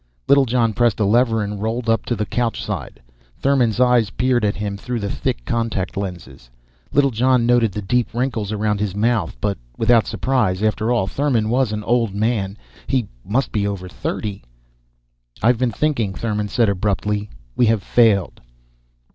Littlejohn pressed a lever and rolled up to the couchside. Thurmon's eyes peered at him through the thick contact lenses. Littlejohn noted the deep wrinkles around his mouth, but without surprise. After all, Thurmon was an old man he must be over thirty. "I have been thinking," Thurmon said, abruptly. "We have failed."